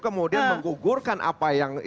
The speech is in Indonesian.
kemudian mengugurkan apa yang